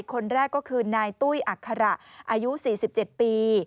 คนแรกก็คือนายตุ้ยอัคระอายุ๔๗ปี